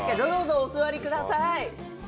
お座りください。